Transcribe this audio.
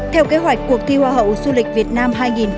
theo kế hoạch cuộc thi hoa hậu du lịch việt nam hai nghìn hai mươi